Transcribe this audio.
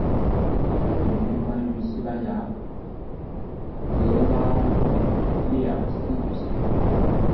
本循环于西班牙格拉诺列尔斯举行。